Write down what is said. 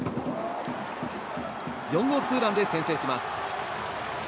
４号ツーランで先制します。